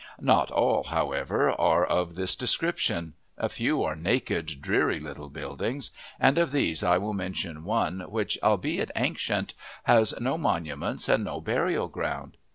Not all, however, are of this description; a few are naked, dreary little buildings, and of these I will mention one which, albeit ancient, has no monuments and no burial ground.